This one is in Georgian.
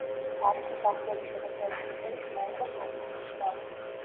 არის მსახიობისა და პროდიუსერის, მაიკლ დაგლასის მამა.